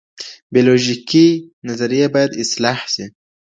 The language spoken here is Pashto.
بیولوژیکي نظریې باید اصلاح سي.